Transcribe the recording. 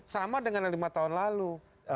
sama dengan lima tahun lalu